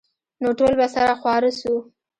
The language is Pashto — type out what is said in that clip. نو ټول به سره خواره سو.